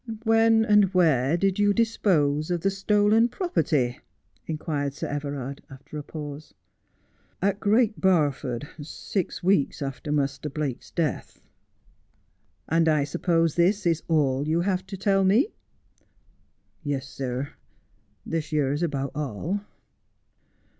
' When and where did you dispose of the stolen property 1 ' inquired Sir Everard, after a pause. ' At Great Barford, six weeks after Muster Blake's death.' ' And I suppose this is all you have to tell me 1 '' Yes, sir, this yere's about all.'